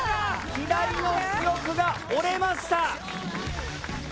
左の主翼が折れました。